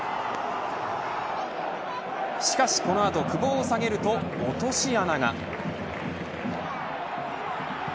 しかしこの後久保を下げると落とし穴が。